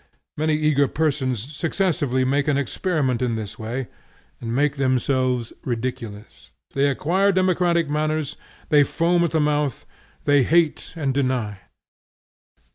Many eager persons successively make an experiment in this way, and make themselves ridiculous. They acquire democratic manners, they foam at the mouth, they hate and deny.